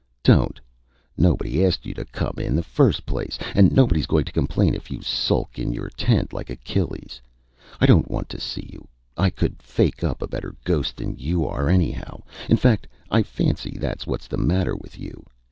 "Don't! Nobody asked you to come in the first place, and nobody's going to complain if you sulk in your tent like Achilles. I don't want to see you. I could fake up a better ghost than you are anyhow in fact, I fancy that's what's the matter with you.